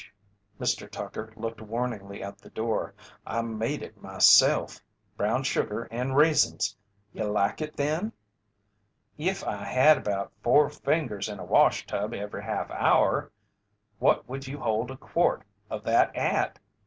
Mr. Tucker looked warningly at the door. "I made it myself brown sugar and raisins. You like it then?" "If I had about 'four fingers' in a wash tub every half hour What would you hold a quart of that at?"